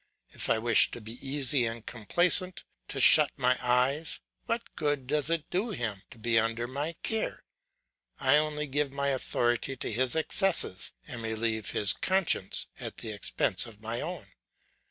If I wish to be easy and complaisant, to shut my eyes, what good does it do him to be under my care? I only give my authority to his excesses, and relieve his conscience at the expense of my own.